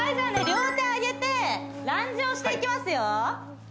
両手上げてランジをしていきますよ